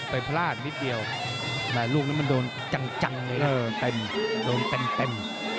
พลาดนิดเดียวแหมลูกนั้นมันโดนจังเลยเต็มโดนเต็ม